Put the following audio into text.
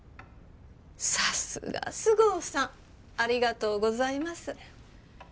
さすが菅生さんありがとうございますいえ